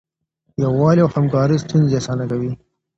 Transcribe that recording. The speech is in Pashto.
یووالی او همکاري ستونزې اسانه کوي.